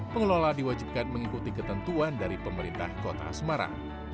pengelola diwajibkan mengikuti ketentuan dari pemerintah kota semarang